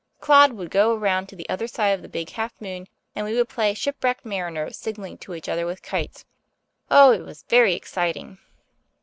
Claude would go around to the other side of the Big Half Moon and we would play shipwrecked mariners signalling to each other with kites. Oh, it was very exciting.